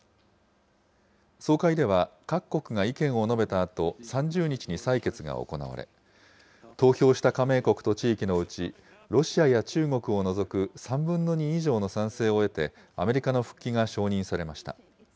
総会では、各国が意見を述べたあと、３０日に採決が行われ、投票した加盟国と地域のうち、ロシアや中国を除く３分の２以上の賛成を得て、アメリカの復帰が承認されました。